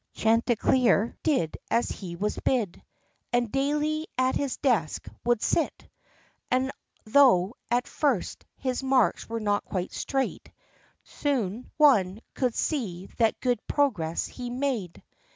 41 Chanticleer did as he was bid, And daily at his desk would sit; And though, at first, his marks were not quite straight, Soon one could see that good progress he made.